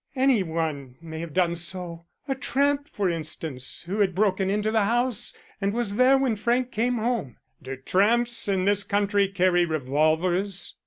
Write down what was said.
"Any one may have done so. A tramp, for instance, who had broken into the house and was there when Frank came home." "Do tramps in this country carry revolvers?"